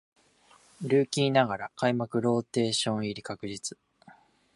ルーキーながら開幕ローテーション入り確実